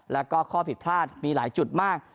แล้วก็ข้อผิดพลาดมีหลายจุดมาก